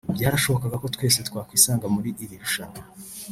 byarashobokaga ko twese twakwisanga muri iri rushanwa